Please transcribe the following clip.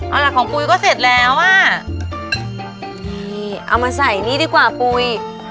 เอาล่ะของปุ๋ยก็เสร็จแล้วอ่ะนี่เอามาใส่นี่ดีกว่าปุ๋ย